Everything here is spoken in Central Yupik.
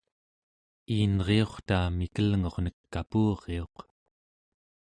iinriurta mikelngurnek kapuriuq